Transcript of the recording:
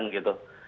wah luar biasa ya